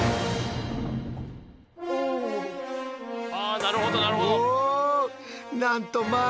あなるほどなるほど。